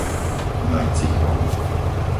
Majcichov